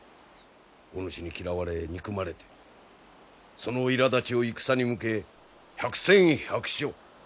お主に嫌われ憎まれてそのいらだちを戦に向け百戦百勝。